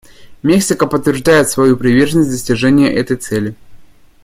Мексика подтверждает свою приверженность достижению этой цели.